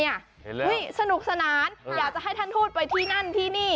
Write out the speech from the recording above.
สนุกสนานอยากจะให้ท่านทูตไปที่นั่นที่นี่